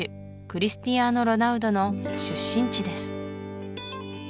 クリスティアーノ・ロナウドの出身地です